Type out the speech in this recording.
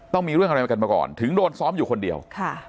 ต้องมีเรื่องอะไรมากันมาก่อนถึงโดนซ้อมอยู่คนเดียว